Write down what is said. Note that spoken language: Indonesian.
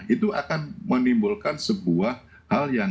itu akan menimbulkan sebuah hal yang